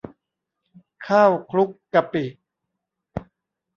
ข้าวคลุกกะปิ